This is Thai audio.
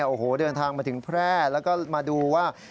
โอ้โหเดินทางมาถึงแพร่แล้วก็มาดูว่า